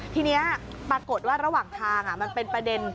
ทีนี้ปรากฏว่าระหว่างทางมันเป็นประเด็น